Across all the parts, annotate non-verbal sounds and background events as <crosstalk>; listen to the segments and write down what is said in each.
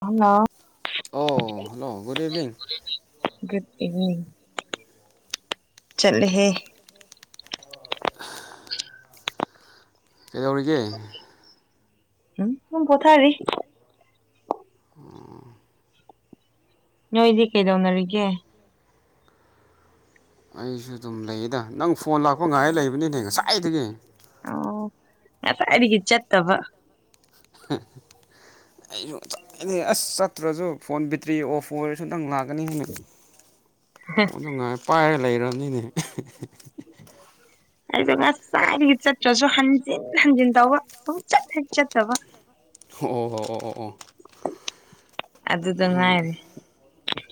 Hello ꯑꯣ hello good evening good evening ꯆꯜꯍꯦ ꯀꯩꯗꯧꯔꯤꯒꯦ ꯎꯨꯡ ꯀꯊꯥꯔꯤ ꯅꯣꯏꯗꯤ ꯀꯩꯗꯧꯅꯔꯤꯒꯦ ꯑꯩꯁꯨ ꯑꯗꯨꯝ ꯂꯩꯌꯦꯗ ꯅꯪ ꯐꯣꯟ ꯂꯥꯛꯄ ꯉꯥꯏ ꯂꯩꯕꯅꯤꯅꯦ ꯉꯁꯥꯏꯗꯒꯤ ꯑꯣ ꯉꯁꯥꯏꯥꯏꯗꯒꯤ ꯆꯠꯇꯕ ꯍ ꯑꯩꯗ ꯑꯦꯅꯦ ꯑꯁ ꯆꯠꯇ꯭ꯔꯁꯨ ꯐꯣꯟ ꯕꯦꯇ꯭ꯔꯤ ꯑꯣꯐ ꯑꯣꯏꯔꯁꯨ ꯅꯪ ꯂꯥꯛꯀꯦ ꯐꯒꯅꯤ ꯍꯥꯏꯦꯅ ꯐꯣꯟꯗ ꯉꯥꯏ ꯄꯥꯏꯔꯦ ꯂꯩꯅꯤꯅꯦ ꯑꯗꯨꯗ ꯉꯁꯥꯏꯗꯒꯤ ꯆꯠꯇ꯭ꯔꯁꯨ ꯍꯟꯖꯤꯟ ꯍꯟꯖꯤꯟ ꯇꯧꯕ ꯁꯨꯝ ꯆꯠ ꯍꯦꯛ ꯆꯠꯇꯕ ꯑꯣ ꯑꯣ ꯑꯣ ꯑꯣ ꯑꯣ ꯑꯗꯨꯗ ꯉꯥꯏꯔꯦ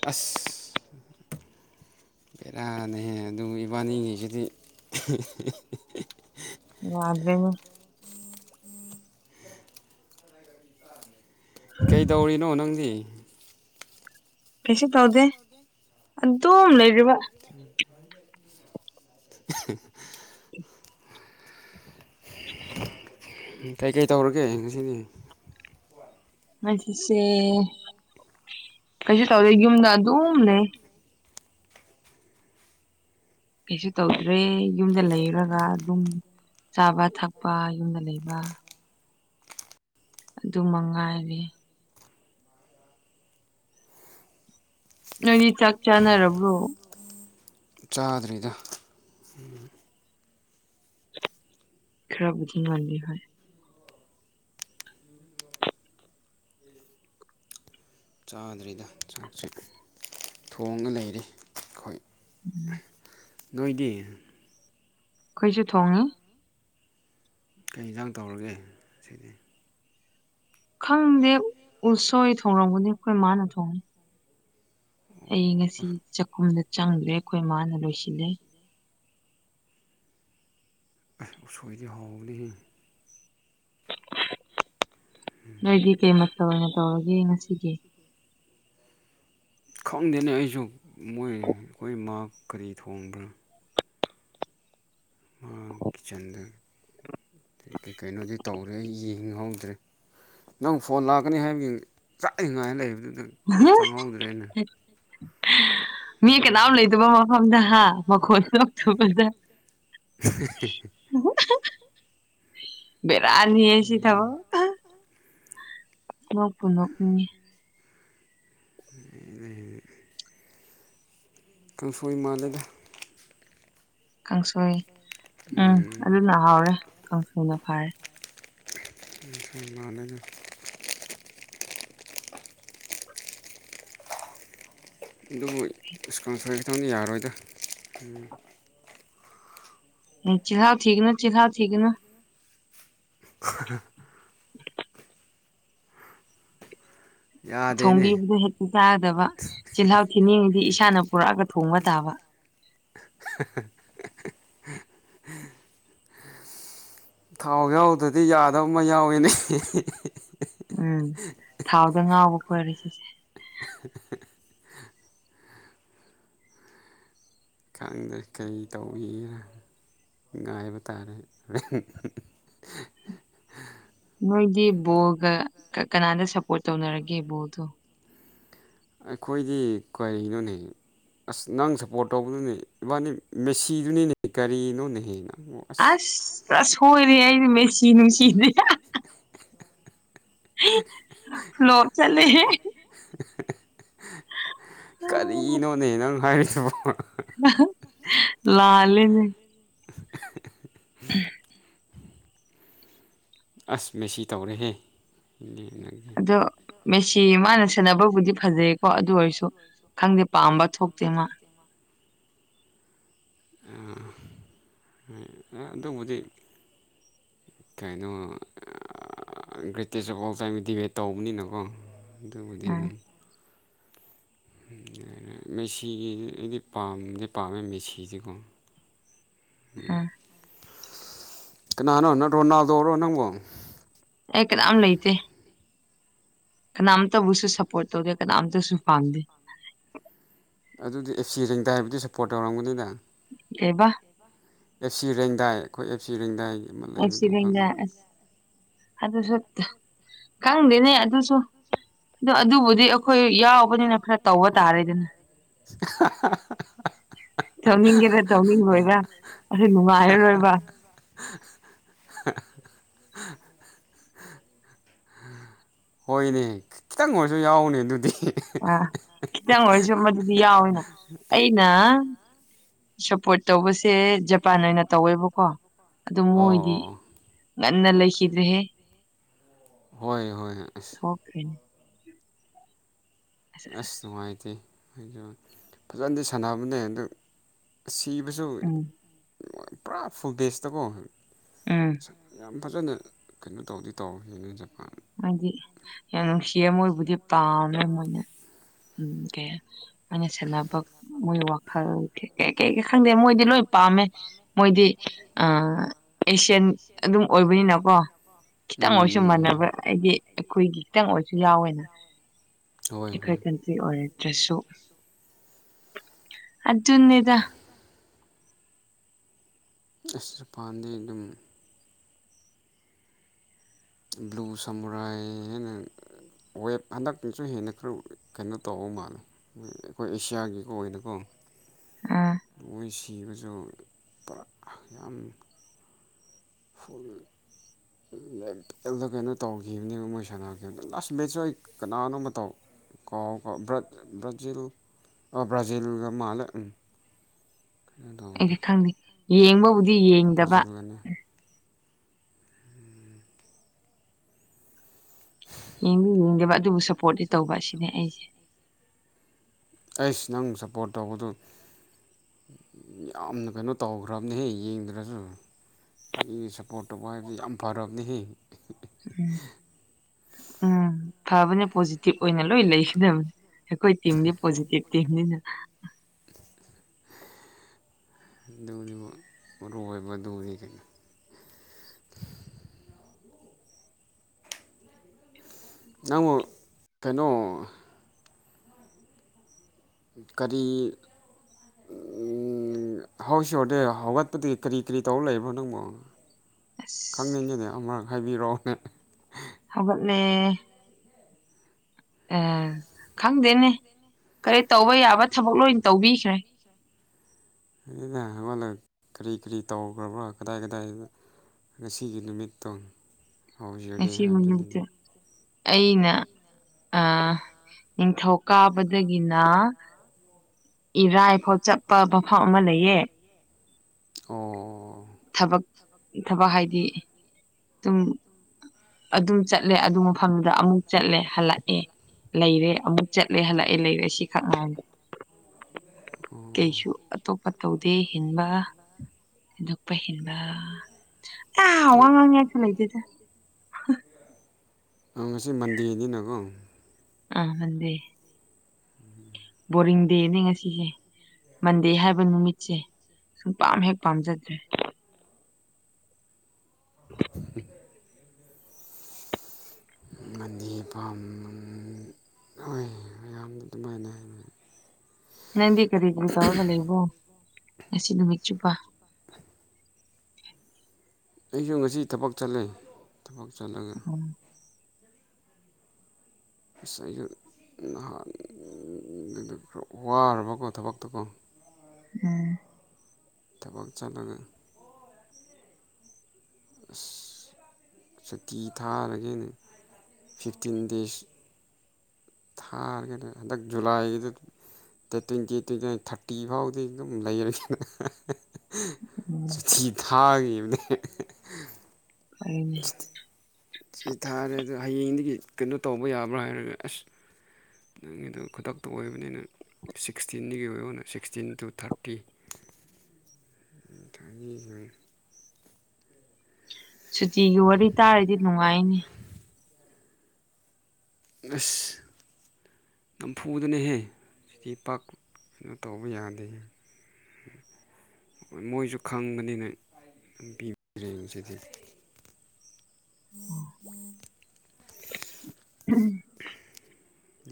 ꯑꯁ ꯕꯦꯔꯥꯅꯍꯦ ꯑꯗꯨ ꯏꯕꯥꯅꯤꯉꯩꯁꯤꯗꯤ ꯭ꯔꯦꯅꯦ ꯀꯩꯗꯧꯔꯤꯅꯣ ꯅꯪꯗꯤ ꯀꯩꯁꯨ ꯇꯧꯗꯦ ꯑꯗꯨꯝ ꯂꯩꯔꯤꯕ ꯎꯝ <inaudible> ꯀꯩꯀꯩ ꯇꯧꯔꯒꯦ ꯉꯁꯤꯗꯤ ꯑꯁꯤ ꯁꯦ ꯀꯩꯁꯨ ꯇꯧꯗꯦ ꯌꯨꯝꯗ ꯑꯗꯨꯝꯅꯦ ꯀꯩꯁꯨ ꯇꯧꯗ꯭ꯔꯦ ꯌꯨꯝꯗ ꯂꯩꯔꯒ ꯑꯗꯨꯝ ꯆꯥꯕ ꯊꯛꯄ ꯌꯨꯝꯗ ꯂꯩꯕ ꯑꯗꯨ ꯃꯉꯥꯏꯔꯦ ꯅꯣꯏꯅꯤ ꯆꯥꯛ ꯆꯥꯅꯔꯕ꯭ꯔꯣ ꯆꯥꯗ꯭ꯔꯤꯗ ꯁꯤ ꯈꯔ ꯙꯤꯡ ꯃꯥꯟꯒꯤꯣꯏ ꯆꯥꯗ꯭ꯔꯤꯗ ꯆꯥꯛꯁꯤꯦ ꯊꯣꯡꯉ ꯂꯩꯔ ꯎꯝ ꯅꯣꯏꯗꯤ ꯑꯩꯈꯣꯏꯁꯨ ꯊꯣꯡꯉꯤ ꯀꯩ ꯌꯦꯟꯖꯥꯡ ꯇꯧꯔꯒꯦ ꯁꯤꯅꯤ ꯈꯪꯗꯦ ꯎꯁꯣꯏ ꯊꯣꯡꯡꯂꯝꯒꯅꯤ ꯑꯩꯈꯣꯏ ꯃꯥꯅ ꯊꯣꯡꯉꯅꯤ ꯑꯣ ꯑꯩ ꯉꯁꯤ ꯆꯥꯛꯈꯨꯝꯗ ꯆꯪꯗ꯭ꯔꯦ ꯑꯩꯈꯣꯏ ꯏ ꯃꯥꯅ ꯂꯣꯏꯁꯤꯜꯂꯦ ꯑꯁ ꯎꯁꯣꯏꯗꯤ ꯍꯥꯎꯅꯤꯍ ꯅꯣꯏꯗꯤ ꯀꯩꯃꯠꯇ ꯑꯣꯏꯅ ꯇꯧꯔꯒꯦ ꯉꯁꯤꯒꯤ ꯈꯪꯗꯦꯅꯦ ꯑꯩꯁꯨ ꯃꯣꯏ ꯑꯩꯈꯣꯏ ꯏ ꯃꯥ ꯀꯔꯤ ꯊꯣꯡꯕ꯭ꯔꯥ ꯃꯥ ꯀꯤꯠꯆꯟꯗ ꯀꯩ ꯀꯩꯅꯣꯗꯤ ꯇꯧ ꯑꯗꯨ ꯑꯩ ꯌꯦꯡꯍꯧꯗ꯭ꯔꯦ ꯅꯪ ꯐꯣꯟ ꯂꯥꯛꯀꯅꯤ ꯍꯥꯏꯕꯒꯤꯡ ꯆꯥꯛꯂꯤꯉꯥꯏꯅ ꯂꯩꯕꯗꯨꯗꯪ ꯍ ꯃꯤ ꯀꯅꯥꯝ ꯂꯩꯇꯕ ꯃꯐꯝꯗ ꯍꯥ ꯃꯈꯣꯟꯇꯨꯕꯗ <unintelligible> ꯕꯦꯔꯥꯅꯤꯁꯤ ꯊꯕ ꯃ ꯄꯨꯂꯞ ꯑ <unintelligible> ꯀꯥꯡꯁꯣꯏ ꯃꯥꯜꯂꯦꯗ ꯀꯥꯡꯁꯣꯏ ꯎꯝ ꯑꯗꯨꯅ ꯍꯥꯎꯔꯦ ꯀꯥꯡꯁꯣꯏꯅ ꯐꯥꯔꯦ ꯂꯅꯒ ꯑꯗꯨꯕꯨ ꯏꯁꯀꯥꯎꯟꯁꯦ ꯈꯤꯇꯪꯅꯤ ꯌꯥꯔꯣꯏꯗ ꯎꯝ ꯆꯤꯍꯥꯎ ꯊꯤꯅ ꯆꯤꯍꯥꯎ ꯊꯤꯅ <unintelligible> ꯌꯥꯗꯦꯅꯦ ꯊꯣꯡꯕꯤꯕꯗ ꯍꯦꯛꯇ ꯆꯥꯒꯗꯕ ꯆꯤꯜꯍꯥꯎ ꯊꯤꯅꯤꯡꯗꯤ ꯏꯁꯥꯅ ꯄꯨꯔꯛꯑꯒ ꯊꯣꯡꯕ ꯇꯥꯕ <inaudible> ꯊꯥꯎ ꯌꯥꯎꯗ꯭ꯔꯗꯤ ꯌꯥꯗꯕ ꯑꯃ ꯌꯥꯎꯏꯤꯅꯦ ꯎꯝ ꯊꯥꯎꯗ ꯉꯥꯎꯕ ꯈꯣꯏꯔꯦ ꯁꯤꯁꯦ <inaudible> ꯈꯪꯗ꯭ꯔꯦ ꯀꯔꯤ ꯇꯧꯏꯔ ꯉꯥꯏꯕ ꯇꯥꯔꯦ ꯍꯣꯔꯦꯟ ꯅꯣꯏꯗꯤ ꯕꯣꯜꯒ ꯀꯅꯥꯗ ꯁꯞꯄꯣꯔꯠ ꯇꯧꯅꯔꯒꯦ ꯕꯣꯜꯗꯣ ꯑꯩꯈꯣꯏꯗꯤ ꯀꯔꯤꯒꯤꯅꯣꯅꯦ ꯑꯁ ꯅꯪ ꯁꯞꯄꯣꯔꯠ ꯇꯧꯕꯗꯨꯅꯦ ꯏꯕꯥꯅꯤ ꯃꯦꯁꯤꯗꯨꯅꯤꯅꯦ ꯀꯔꯤꯅꯣꯅꯦꯍꯦ ꯅꯪ ꯑꯁ ꯑꯁ ꯁꯣꯏꯔꯦ ꯑꯩꯗꯤ ꯃꯦꯆꯤ ꯅꯨꯡꯁꯤꯗꯦ ꯐ ꯂ ꯆꯂꯦꯦ ꯀꯔꯤꯅꯣꯅꯦ ꯅꯪ ꯍꯥꯏꯔꯤꯁꯤꯕ ꯂꯥꯂꯦꯅꯦ ꯎꯝ ꯑꯁ ꯃꯦꯁꯤ ꯇꯧꯔꯦꯍꯦ ꯏꯅꯦ ꯅꯪꯒꯦ ꯑꯗꯣ ꯃꯦꯁꯤ ꯃꯥꯅ ꯁꯦꯅꯕꯕꯨꯗꯤ ꯐꯖꯩꯌꯦꯀꯣ ꯑꯗꯨ ꯑꯣꯏꯔꯁꯨ ꯈꯪꯗꯦ ꯄꯥꯝꯕ ꯊꯣꯛꯇꯦ ꯃꯥ ꯑꯥ ꯑꯗꯨꯕꯗꯤ ꯀꯩꯅꯣ greatest of all time debate ꯇꯧꯕꯅꯤꯅꯀꯣ <unintelligible> ꯑꯗꯨꯕꯨꯗꯤ ꯎꯝ ꯎꯝ <unintelligible> ꯃꯦꯁꯤꯒꯤ ꯑꯩꯗꯤ ꯄꯥꯝꯗꯤ ꯄꯥꯝꯃꯦ ꯃꯦꯁꯤꯁꯤꯀꯣ ꯎꯝ ꯀꯅꯥꯅꯣ ꯅꯠꯇ꯭ꯔꯣ ꯅꯥꯎꯗꯧ ꯑꯣꯏꯔꯣ ꯅꯪꯕꯣ <unintelligible> ꯑꯩ ꯀꯥꯅꯝ ꯂꯩꯇꯦ꯫ ꯀꯅꯥꯝꯇꯕꯨꯁꯨ ꯁꯞꯄꯣꯔꯠ ꯇꯧꯗꯦ ꯀꯅꯥꯝꯇꯁꯨ ꯄꯥꯝꯗꯦ ꯑꯗꯨꯗꯤ ꯑꯦꯞ ꯁꯤ ꯔꯦꯡꯗꯥ ꯍꯥꯏꯕꯗꯤ ꯁꯞꯄꯣꯔꯠ ꯇꯥꯑꯣꯔꯝꯒꯅꯤꯅꯦ ꯀꯩꯕ ꯑꯦꯞ ꯁꯤ ꯔꯦꯡꯗꯥꯏ ꯑꯩꯈꯣꯏ ꯑꯦꯞ ꯁꯤ ꯔꯦꯡꯗꯥꯏꯒꯤ ꯑꯦꯐ ꯁꯤ ꯕꯦꯡꯗ ꯑꯁ ꯑꯗꯨꯁꯨ ꯈꯪꯗꯦꯅꯦ ꯑꯗꯨꯁꯨ ꯑꯗꯣ ꯑꯗꯨꯕꯨꯗꯤ ꯑꯩꯈꯣꯏ ꯌꯥꯎꯕꯅꯤꯅ ꯈꯔ ꯇꯧꯕ ꯇꯥꯔꯦꯗꯅ <inaudible> ꯇꯧꯅꯤꯡꯒꯦꯔ ꯇꯧꯅꯤꯡꯔꯣꯏꯔ ꯑꯁꯤ ꯅꯨꯡꯉꯥꯏꯔꯔꯣꯏꯕ ꯍꯣꯏꯅꯦ ꯈꯤꯇꯪ ꯑꯣꯏꯔꯁꯨ ꯌꯥꯎꯅꯦ ꯑꯗꯨꯗꯤ ꯑ ꯈꯤꯇꯪ ꯑꯣꯏꯔꯁꯨ ꯃꯗꯨꯗꯤ ꯌꯥꯎꯋꯅ ꯑꯩꯅ ꯁꯄꯣꯔꯠ ꯇꯧꯕꯁꯦ ꯖꯄꯥꯟ ꯑꯣꯏꯅ ꯇꯧꯋꯦꯕꯀꯣ ꯑꯗꯨ ꯑꯣ ꯑꯣ ꯃꯣꯏꯗꯤ ꯑꯣ ꯉꯟꯅ ꯂꯩꯈꯤꯗ꯭ꯔꯦꯍꯦ ꯍꯣꯏ ꯍꯣꯏ ꯑꯁ ꯎꯝ <unintelligible> ꯑꯁ ꯅꯨꯡꯉꯥꯏꯇꯦ ꯍꯥꯏ ꯐꯖꯅꯗꯤ ꯁꯥꯟꯅꯕꯅꯦ ꯑꯗꯨ ꯁꯤꯕꯁꯨ ꯎꯝ ꯄꯨꯔꯥ ꯐꯨꯜ ꯕꯦꯁꯇꯀꯣ ꯎꯝ ꯌꯥꯝ ꯐꯖꯅ ꯀꯩꯅꯣ ꯇꯧꯗꯤ ꯇꯧꯅ ꯖꯄꯥꯟ ꯍꯥꯏꯗꯤ ꯌꯥꯝ ꯅꯨꯡꯁꯤ ꯃꯣꯏꯕꯨꯗꯤ ꯄꯥꯝꯃꯦ ꯃꯣꯏꯅ ꯎꯝ ꯀꯩ ꯑꯩꯅ ꯁꯥꯟꯅꯕ ꯃꯣꯏ ꯋꯥꯈꯜ ꯀꯩ ꯀꯩ ꯀꯩ ꯈꯪꯗꯦ ꯃꯣꯏꯗꯤ ꯂꯣꯏ ꯄꯥꯝꯃꯦ꯫ ꯃꯣꯏꯗꯤ ꯑꯦꯁꯤꯌꯥꯟ ꯑꯗꯨꯝ ꯑꯣꯏꯕꯅꯤꯅꯀꯣ ꯎꯝ ꯈꯤꯇꯪ ꯑꯣꯏꯁꯨ ꯎꯝ ꯃꯥꯟꯅꯕ ꯎꯝ ꯑꯩꯗꯤ ꯑꯩꯈꯣꯏꯒꯤ ꯈꯤꯇꯪ ꯑꯣꯏꯔꯁꯨ ꯌꯥꯎꯋꯦꯅ ꯍꯣꯏ ꯑꯩꯈꯣꯏ ꯍꯣꯏ ꯈꯟ ꯁꯤ ꯑꯣꯏꯔꯗ꯭ꯔꯁꯨ ꯑꯗꯨꯅꯤꯗ ꯑꯁ ꯄꯝꯗꯦꯅꯦ ꯅꯪ ꯕ꯭ꯂꯨ ꯁꯝꯔꯥꯏꯅ ꯋꯦꯞ ꯍꯟꯗꯛꯇꯪꯁꯨ ꯍꯦꯟꯅ ꯈꯔ ꯀꯩꯅꯣ ꯇꯧꯕ ꯃꯥꯜꯂꯦ꯫ ꯑꯩꯈꯣꯏ ꯑꯦꯁꯤꯌꯥꯒꯤꯀ ꯑꯣꯏꯅꯀꯣ ꯑꯥ ꯃꯣꯏ ꯁꯤꯕꯁꯨ ꯄꯨꯔꯥ ꯌꯥꯝ ꯐꯨꯜꯗ ꯀꯩꯅꯣ ꯇꯧꯈꯤꯕꯅꯦ ꯃꯣꯏ ꯁꯥꯟꯅꯔꯈꯤꯕꯗ ꯂꯥꯁ ꯃꯕꯦꯠꯁꯨ ꯑꯩ ꯀꯅꯥꯅꯣ ꯃꯇꯧ ꯀꯥꯎ ꯀꯥꯎ ꯕ꯭ꯔꯥꯖꯤꯜ ꯑꯣ ꯕ꯭ꯔꯖꯤꯜꯒ ꯃꯥꯜꯂꯦ ꯎꯝ ꯀꯩꯅꯣ ꯇꯧꯕꯗꯣ ꯑꯩꯗꯤ ꯈꯪꯗꯦ ꯌꯦꯡꯕꯕꯨꯗꯤ ꯌꯦꯡꯗꯕ ꯕ꯭ꯔꯥꯖꯤꯜꯒꯅꯦ ꯌꯦꯡꯗꯤ ꯌꯦꯡꯗꯦꯕ ꯑꯗꯨꯕꯨ ꯁꯞꯄꯣꯔꯇꯤ ꯇꯧꯕ ꯑꯁꯤꯅꯦ ꯑꯩꯁꯦ ꯑꯩꯁ ꯅꯪ ꯁꯞꯄꯣꯔꯠ ꯇꯧꯕꯗꯨ ꯌꯥꯝꯅ ꯀꯩꯅꯣ ꯇꯧꯈ꯭ꯔꯕꯅꯦꯍꯦ ꯌꯦꯡꯗ꯭ꯔꯁꯨ ꯃꯤ ꯁꯞꯄꯣꯔꯠ ꯇꯧꯕ ꯍꯥꯏꯕꯕꯁꯤ ꯌꯥꯝ ꯐꯔꯕꯅꯤ ꯎꯝ ꯎꯝ ꯐꯕꯅꯦ ꯄꯣꯖꯤꯇꯤꯚ ꯑꯣꯏꯅ ꯂꯣꯏ ꯂꯩꯒꯗꯕꯅꯤ꯫ ꯑꯩꯈꯣꯏ ꯇꯤꯝꯗꯤ ꯄꯣꯖꯤꯇꯤꯕ ꯇꯤꯝꯅꯤꯅ ꯑꯗꯨꯅꯦꯕꯥ ꯃꯔꯨꯑꯣꯏꯕꯗꯤ ꯅꯪ ꯀꯩꯅꯣ ꯀꯔꯤ ꯎꯝ ꯍꯧꯁꯤꯗꯦ ꯍꯧꯒꯠꯄꯗꯒꯤ ꯀꯔꯤ ꯀꯔꯤ ꯇꯧꯔ ꯂꯩꯕꯅꯣ ꯅꯪꯕꯨ ꯑꯁ ꯈꯪꯅꯤꯡꯉꯤꯅꯦ ꯑꯃꯔꯛ ꯍꯥꯏꯕꯤꯔꯛꯑꯣꯅꯦ ꯍꯥꯑꯣꯒꯠꯂꯦ ꯑ ꯈꯪꯗꯦꯅꯦ ꯀꯔꯤ ꯇꯧꯕ ꯌꯥꯕ ꯊꯕꯛ ꯂꯣꯏ ꯇꯧꯕꯤꯈ꯭ꯔꯦ꯫ ꯑꯩꯅ ꯍꯪꯂꯒꯥ ꯀꯔꯤ ꯀꯔꯤ ꯇꯧꯈ꯭ꯔꯕ꯭ꯔꯣ ꯀꯗꯥꯏ ꯀꯗꯥꯏ ꯉꯁꯤꯒꯤ ꯅꯨꯃꯤꯠꯇꯣ ꯍꯧꯖꯔꯦ ꯉꯁꯤ ꯍꯥꯏꯕꯗꯨꯅꯤꯅꯦ ꯃꯛꯇ ꯑꯩꯅ꯫ ꯑ ꯅꯤꯡꯊꯧ ꯀꯥꯕꯗꯒꯤꯅ꯫ ꯏꯔꯥꯏꯐꯥꯎ ꯆꯠꯄ ꯃꯐꯝ ꯑꯃ ꯂꯩꯌꯦ ꯑꯣ ꯊꯕꯛ ꯊꯕꯛ ꯍꯥꯏꯗꯤ ꯁꯨꯝ꯫ ꯑꯗꯨ ꯆꯠꯂꯦ ꯑꯗꯨ ꯃꯐꯝꯗꯨꯗ ꯑꯃꯨꯛ ꯆꯠꯂꯦ ꯍꯜꯂꯛꯑꯦ ꯂꯩꯔꯦ ꯑꯃꯨꯛ ꯆꯠꯂꯦ ꯍꯜꯂꯛꯑꯦ ꯂꯩꯔꯦ ꯁꯤ ꯈꯛ ꯉꯥꯏꯔꯦ꯫ ꯀꯩꯁꯨ ꯑꯇꯣꯞꯄ ꯇꯧꯗꯦ ꯍꯤꯟꯕ ꯗꯨꯄ ꯍꯟꯕ ꯑ ꯋꯥꯉ ꯌꯥꯂ ꯂꯩꯗꯦꯗ <unintelligible> ꯉꯁꯤ ꯃꯟꯗꯦꯅꯤꯅꯀꯣ ꯎꯝ ꯃꯟꯗꯦ ꯕꯣꯔꯤꯡ ꯗꯦꯅꯦ ꯉꯁꯤꯁꯦ ꯃꯟꯗꯦ ꯍꯥꯏꯕ ꯅꯨꯃꯤꯠꯁꯦ ꯁꯨꯡ ꯄꯥꯝ ꯍꯦꯛ ꯄꯥꯝꯖꯗ꯭ꯔꯦ ꯎꯝ <unintelligible> ꯃꯅꯤꯝ ꯍꯣꯏ ꯌꯥꯝꯅ ꯑꯗꯨꯃꯥꯏꯅꯅ ꯅꯪꯗꯤ ꯀꯔꯤ ꯀꯔꯤ ꯇꯧꯔꯒ ꯂꯩꯕꯣ ꯉꯁꯤ ꯅꯨꯃꯤꯠ ꯆꯨꯞꯄ ꯑꯩꯁꯨ ꯉꯁꯤ ꯊꯕꯛ ꯆꯠꯂꯦ ꯊꯕꯛ ꯆꯠꯂꯒ ꯑꯣ ꯑꯁ ꯑꯩꯁꯨ ꯅꯍꯥꯟꯗꯒꯤ ꯋꯥꯔꯕꯀꯣ ꯊꯕꯛꯇꯀꯣ ꯎꯝ ꯊꯕꯛ ꯆꯥꯗꯉ ꯑꯁ ꯁꯨꯛꯇꯤ ꯊꯥꯔꯒꯦꯅ ꯐꯤꯐꯇꯤꯟ ꯗꯦꯖ ꯊꯥꯔꯒꯅꯦ ꯍꯟꯗꯛ ꯖꯨꯂꯥꯏꯒꯤꯗ ꯑ ꯇ꯭ꯋꯦꯟꯇꯤ ꯇ꯭ꯋꯦꯟꯇꯤ ꯟ ꯊꯥꯔꯇꯤ ꯐꯥꯎꯗꯤ ꯑꯗꯨꯝ ꯂꯩꯔꯁꯤꯅ꯫ ꯑꯣ ꯆꯤꯊꯤ ꯊꯥꯈꯤꯕꯅꯦ ꯑꯩꯅꯦ ꯁꯤ ꯊꯥꯔꯦ ꯑꯗꯣ ꯍꯌꯦꯡꯗꯒꯤ ꯀꯩꯅꯣ ꯇꯧꯕ ꯌꯥꯕ꯭ꯔꯥ ꯍꯥꯏꯔꯒ ꯑꯁ ꯅꯪꯒꯤꯗ ꯈꯨꯗꯛꯇ ꯑꯣꯏꯕꯅꯤꯅ ꯁꯤꯛꯁꯇꯤꯟꯒꯤ ꯑꯣꯏꯕ ꯑꯣꯏꯅ ꯁꯤꯛꯁꯇꯤꯟ ꯇꯨ ꯊꯥꯔꯇꯤ ꯎ ꯊꯈꯣꯏ꯫ ꯁꯨꯇꯤꯒꯤ ꯋꯥꯔꯤ ꯇꯥꯔꯗꯤ ꯅꯨꯡꯉꯥꯏꯅꯤ ꯑꯁ ꯅꯝꯐꯨꯗꯅꯍꯦ ꯄꯥꯛ ꯇꯧꯕ ꯌꯥꯗꯦ ꯃꯣꯏꯁꯨ ꯈꯪꯕꯅꯤꯅ ꯄꯤꯕꯤꯔꯦꯁꯤꯗꯤ ꯒ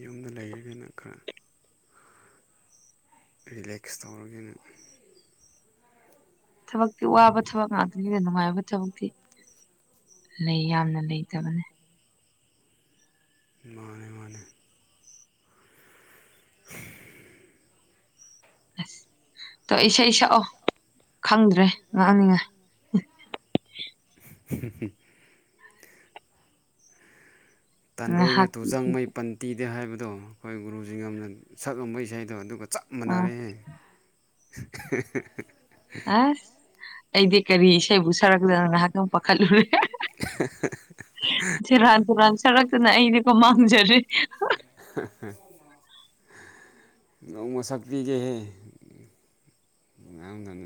ꯌꯨꯝꯗ ꯂꯩꯔꯒꯅ ꯈꯔ꯫ ꯔꯤꯂꯦꯛꯁ ꯇꯧꯔꯒꯦꯔꯥ ꯊꯕꯛꯇꯤ ꯋꯥꯕ ꯊꯕꯛ ꯉꯥꯛꯇꯅꯤꯅ ꯅꯨꯡꯉꯥꯏꯕ ꯊꯕꯛꯇꯤ ꯂꯩ ꯌꯥꯝꯅ ꯂꯩꯇꯕꯅꯦ ꯃꯥꯅꯦ ꯃꯥꯅꯦ ꯍꯤ ꯑꯁ ꯇꯧ ꯏꯁꯩ ꯁꯛꯑꯣ ꯈꯪꯗ꯭ꯔꯦ ꯉꯥꯡꯅꯤꯉꯥꯏ ꯎꯝ꯫ ꯇꯥꯟꯗꯣꯏꯅ ꯉꯥꯏꯍꯥꯛꯀꯤ ꯏꯁꯩ ꯇꯨꯖꯪꯉꯩ ꯄꯟꯇꯤꯗꯦ ꯍꯥꯏꯕꯗꯣ ꯑꯩꯈꯣꯏ ꯒꯨꯔꯨꯁꯤ ꯌꯥꯝꯅ ꯁꯛꯑꯝꯕ ꯏꯁꯩꯗꯣ ꯑꯗꯨꯒ ꯆ꯫ ꯁꯛꯄ ꯃꯅꯥꯔꯦꯅꯦ ꯑꯁ ꯑꯩꯗꯤ ꯀꯔꯤ ꯏꯁꯩꯕꯨ ꯁꯛꯔꯛꯇꯅꯣ ꯉꯍꯥꯛꯇꯪ ꯄꯥꯈꯠꯂꯨꯔꯦ ꯫ ꯁꯦꯔꯥꯟ ꯇꯨꯔꯥꯟ ꯁꯛꯔꯛꯇꯅ ꯑꯩꯗꯤꯀꯣ ꯃꯥꯡꯖꯔꯦ ꯍꯥꯍꯥꯍꯥꯍꯥꯍꯥ ꯅꯣꯡꯃ ꯁꯛꯄꯤꯒꯦꯍꯦ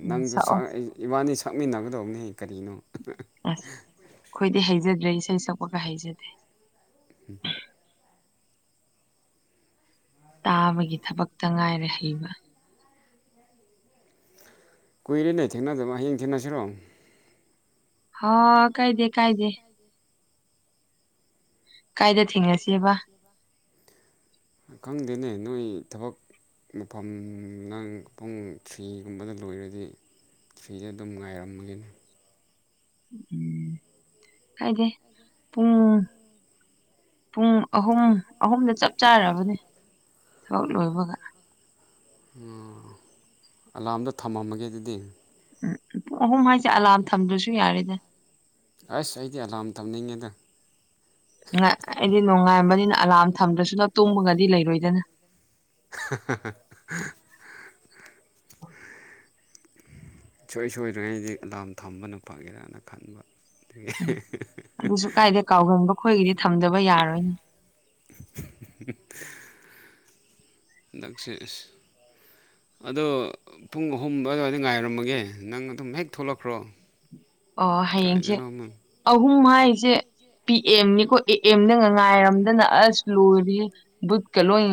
ꯎꯝ ꯅꯪꯗꯨ ꯁꯛꯑꯣ ꯁꯛ ꯏꯕꯥꯅꯤ ꯁꯛꯃꯤꯟꯅꯒꯗꯧꯕꯅꯦ ꯀꯔꯤꯅꯣ ꯑꯁ ꯑꯩꯈꯣꯏꯗꯤ ꯍꯩꯖꯗ꯭ꯔꯦ ꯏꯁꯩ ꯁꯛꯄꯒ ꯍꯩꯖꯗꯦ <unintelligible> ꯇꯥꯕꯒꯤ ꯊꯕꯛꯇ ꯉꯥꯏꯔꯦ ꯍꯩꯕ ꯀꯨꯏꯔꯦꯅꯦ ꯊꯦꯡꯅꯗꯕ ꯍꯌꯦꯡ ꯊꯦꯡꯅꯁꯤꯔꯣ ꯍꯣ ꯀꯥꯏꯗꯦ ꯀꯥꯏꯗꯦ ꯀꯥꯏꯗ ꯊꯦꯡꯅꯁꯤꯕ ꯈꯪꯗꯦꯅꯦ ꯅꯣꯏ ꯊꯕꯛ ꯃꯐꯝ ꯅꯪ ꯄꯨꯡ ꯊ꯭ꯔꯤꯒꯨꯝꯕꯗ ꯂꯣꯏꯔꯗꯤ ꯐ꯭ꯔꯤꯗ ꯑꯗꯨꯝ ꯉꯥꯏꯔꯝꯃꯒꯦꯅꯦ ꯍꯥꯏꯗꯤ ꯄꯨꯡ꯫ ꯄꯨꯡ ꯑꯍꯨꯝ ꯑꯍꯨꯝꯗ ꯆꯞ ꯆꯥꯔꯕꯅꯦ ꯊꯕꯛ ꯂꯣꯏꯕꯒ ꯑꯝ ꯑꯂꯥꯝꯗꯣ ꯊꯝꯃꯝꯃꯒꯦ ꯑꯗꯨꯗꯤ꯫ ꯎꯝ ꯄꯨꯡ ꯑꯍꯨꯝ ꯍꯥꯏꯁꯦ ꯑꯂꯥꯝ ꯊꯝꯗ꯭ꯔꯁꯨ ꯌꯥꯔꯦꯗ ꯑꯁ ꯑꯩꯗꯤ ꯑꯦꯂꯥꯝ ꯊꯝꯅꯤꯡꯉꯦꯗ ꯑꯩꯗꯤ ꯅꯨꯡꯉꯥꯏꯕꯅꯤꯅ ꯑꯦꯂꯥꯝ ꯊꯝꯗ꯭ꯔꯁꯨ ꯇꯨꯝꯕꯒꯗꯤ ꯂꯩꯔꯣꯏꯗꯅ ꯍꯥ ꯍꯥ ꯁꯨꯡꯁꯣꯏ ꯁꯣꯏꯗ꯭ꯔꯤꯉꯩꯗꯤ ꯑꯦꯂꯥꯝ ꯊꯝꯕꯅ ꯐꯒꯦꯔꯅ ꯈꯟꯕ꯫ ꯑꯗꯨꯒꯤ ꯑꯗꯨꯁꯨ ꯀꯥꯏꯗꯦ ꯀꯥꯎꯒꯟꯕ ꯑꯩꯈꯣꯏꯒꯤꯗꯤ ꯊꯝꯗꯕ ꯌꯥꯔꯣꯏꯅꯦ ꯅꯪꯁꯦ ꯑꯗꯣ ꯄꯨꯡ ꯑꯍꯨꯝ ꯑꯗꯨꯋꯥꯏꯗ ꯉꯥꯏꯔꯝꯃꯒꯦ ꯅꯪ ꯑꯗꯨꯝ ꯍꯦꯛ ꯊꯣꯛꯂꯛꯈ꯭ꯔꯣ ꯑꯣ ꯍꯌꯦꯡꯁꯦ ꯀꯥꯏꯗꯅꯣ ꯑꯃ ꯑꯍꯨꯝ ꯍꯥꯏꯁꯦ꯫ ꯄꯤ ꯑꯦꯝꯅꯤꯀꯣ ꯑꯦ ꯑꯦꯝꯗ ꯉ ꯉꯥꯏꯔꯝꯗꯅ ꯑꯁ ꯂꯣꯏꯔꯤ ꯕꯨꯠꯀ ꯂꯣꯏ꯫